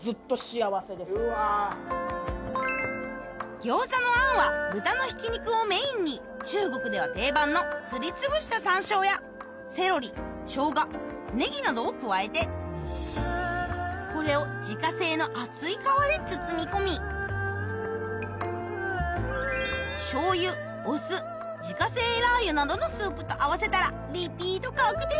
餃子の餡は豚のひき肉をメインに中国では定番のすりつぶした山椒やセロリ生姜ネギなどを加えてこれを自家製の厚い皮で包み込み醤油お酢自家製ラー油などのスープと合わせたらリピート確定！